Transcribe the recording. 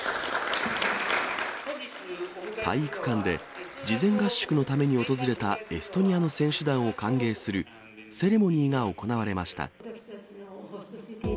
体育館で、事前合宿のために訪れたエストニアの選手団を歓迎するセレモニーが行われました。